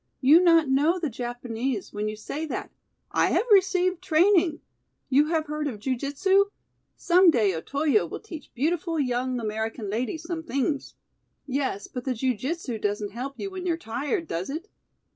"You not know the Japanese when you say that. I have received training. You have heard of jiu jitsu? Some day Otoyo will teach beautiful young American lady some things." "Yes, but the jiu jitsu doesn't help you when you're tired, does it?"